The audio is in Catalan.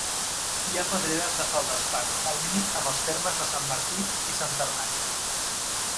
Hi ha pedreres de feldespat, al límit amb els termes de Sant Martí i Centernac.